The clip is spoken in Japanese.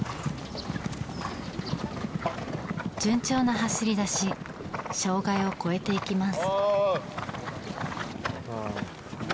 順調な走り出し障害を越えていきます。